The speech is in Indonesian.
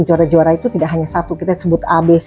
juara juara itu tidak hanya satu kita sebut abc